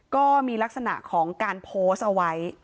ก็มีลักษณะของการโพสต์เอาไว้